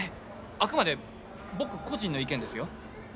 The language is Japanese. あくまで僕個人の意見ですよ？